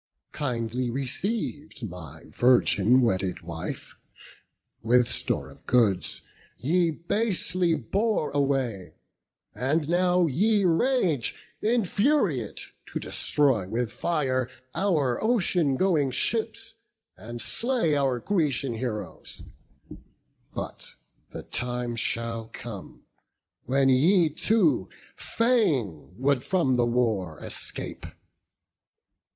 Kindly receiv'd, my virgin wedded wife, With store of goods, ye basely bore away; And now ye rage, infuriate, to destroy With fire our ocean going ships, and slay Our Grecian heroes; but the time shall come When ye too fain would from the war escape.